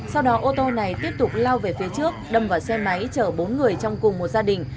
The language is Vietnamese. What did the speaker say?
sau đó ô tô này tiếp tục lao về phía trước đâm vào xe máy chở bốn người trong cùng một gia đình